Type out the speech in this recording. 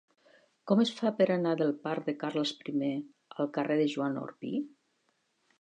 Com es fa per anar del parc de Carles I al carrer de Joan Orpí?